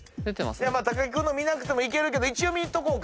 木君の見なくてもいけるけど一応見とこうか。